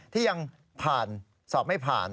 ที่ยังผ่านสอบไม่ผ่าน